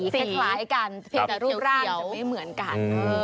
เพียงแต่รูปร่างจะไม่เหมือนกัน